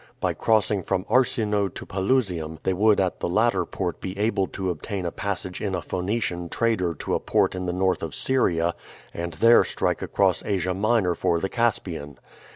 By crossing from Arsinoe[F] to Pelusium they would at the latter port be able to obtain a passage in a Phoenician trader to a port in the north of Syria, and there strike across Asia Minor for the Caspian.